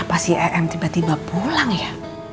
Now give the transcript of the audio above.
kenapa si em tiba tiba pulang ya